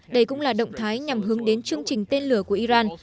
đây cũng là động thái nhằm hướng đến chương trình tên lửa của iran